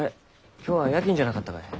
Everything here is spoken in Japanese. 今日は夜勤じゃなかったかえ？